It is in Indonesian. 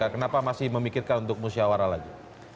kenapa masih memikirkan untuk musyawarah lagi